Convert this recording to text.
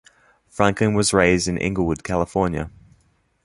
Franklin was raised in Inglewood, California.